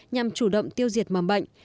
nhằm chủ động tiêu diệt mầm bệnh